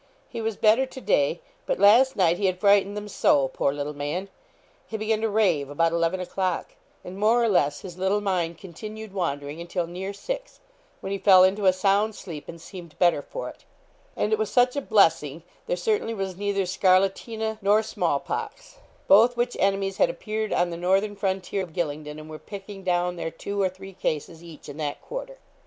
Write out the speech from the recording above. He was better to day; but last night he had frightened them so, poor little man! he began to rave about eleven o'clock; and more or less his little mind continued wandering until near six, when he fell into a sound sleep, and seemed better for it; and it was such a blessing there certainly was neither scarlatina nor small pox, both which enemies had appeared on the northern frontier of Gylingden, and were picking down their two or three cases each in that quarter.